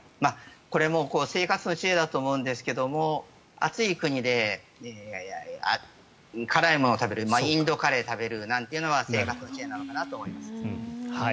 これも生活の知恵だと思うんですが暑い国で辛いものを食べるインドカレーを食べるなんていうのは生活の知恵なのかなと思います。